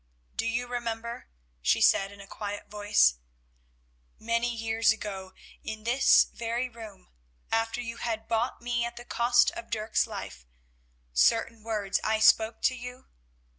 "Do you remember?" she said in a quiet voice, "many years ago, in this very room, after you had bought me at the cost of Dirk's life, certain words I spoke to you?